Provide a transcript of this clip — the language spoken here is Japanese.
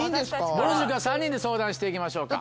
ぼる塾は３人で相談して行きましょうか。